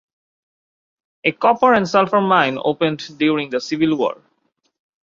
A copper and sulfur mine opened during the Civil War.